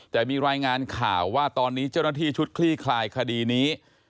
แต่มีรายงานข่าวว่าตอนนี้เจ้าหน้าที่ชุดคลี่คลายคดีนี้